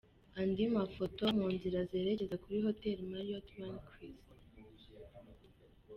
Andi mafoto: Mu nzira zerekeza kuri Hotel Marriot Marquis.